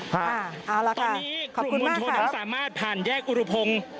ครับเอาล่ะค่ะขอบคุณมากครับตอนนี้กรุงมวลโทษยังสามารถผ่านแยกอุรพงศ์